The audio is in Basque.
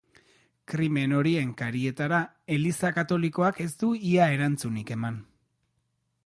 Krimen horien karietara, Eliza Katolikoak ez du ia erantzunik eman.